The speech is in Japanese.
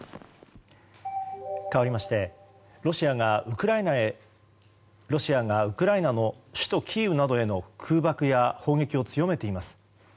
かわりましてロシアがウクライナの首都キーウなどへの空爆や砲撃を強めています。